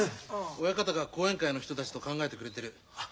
親方が後援会の人たちと考えてくれてる。